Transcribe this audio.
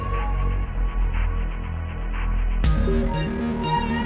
biar mereka pergi duluan